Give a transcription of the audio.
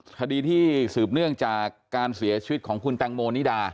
คดีที่สืบเนื่องจากการเสียชีวิตของคุณแตงโมนิดา